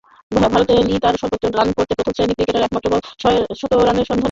ভারতে লি তার সর্বোচ্চ রান করেন ও প্রথম-শ্রেণীর ক্রিকেটে একমাত্র শতরানের সন্ধান পান।